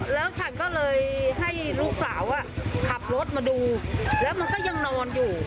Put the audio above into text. แล้วฉันก็เลยให้ลูกสาวขับรถมาดูแล้วมันก็ยังนอนอยู่